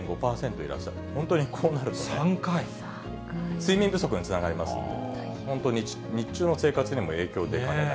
睡眠不足につながりますんで、本当に日中の生活にも影響出かねない。